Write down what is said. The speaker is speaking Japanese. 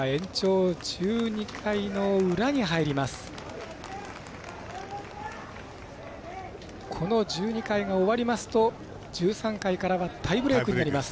この１２回が終わりますと１３回からはタイブレークになります。